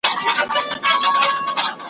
ګل به نه یم دا منمه، د رقیب د سترګو خاریم ,